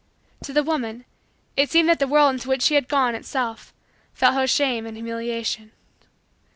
To the woman, it seemed that the world into which she had gone, itself, felt her shame and humiliation.